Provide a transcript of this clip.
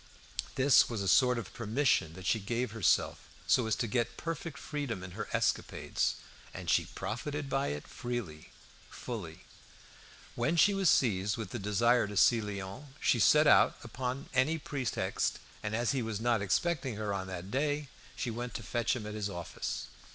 This was a sort of permission that she gave herself, so as to get perfect freedom in her escapades. And she profited by it freely, fully. When she was seized with the desire to see Léon, she set out upon any pretext; and as he was not expecting her on that day, she went to fetch him at his office.